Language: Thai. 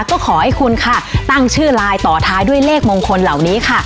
ก็ขอให้คุณค่ะตั้งชื่อไลน์ต่อท้ายด้วยเลขมงคลเหล่านี้ค่ะ